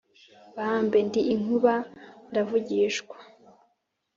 bambe ndi inkuba ndavugishwa